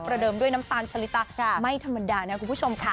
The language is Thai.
เดิมด้วยน้ำตาลชะลิตาไม่ธรรมดานะคุณผู้ชมค่ะ